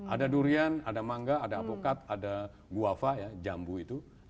ada durian ada mangga ada avokat ada guava ya jambu itu